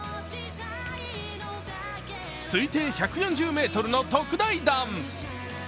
推定１４０ｍの特大弾。